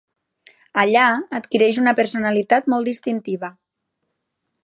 Allà adquireix una personalitat molt distintiva.